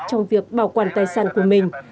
làm việc bảo quản tài sản của mình